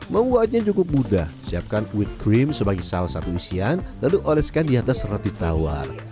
membuatnya cukup mudah siapkan kuid cream sebagai salah satu isian lalu oleskan di atas roti tawar